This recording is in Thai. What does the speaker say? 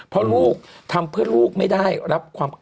เพราะลูกทำเพื่อลูกไม่ได้รับความ